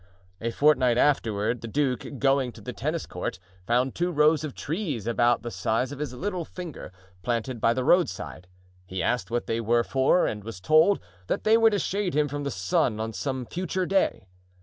A fortnight afterward the duke, going to the tennis court, found two rows of trees about the size of his little finger planted by the roadside; he asked what they were for and was told that they were to shade him from the sun on some future day.